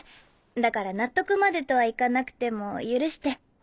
だから納得までとは行かなくても許して。